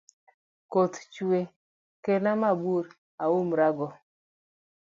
Koth chwe kelna mabul aumrago